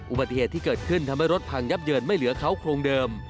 อุบัติเหตุที่เกิดขึ้นทำให้รถพังยับเยินไม่เหลือเขาโครงเดิม